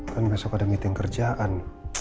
kan besok ada meeting kerjaan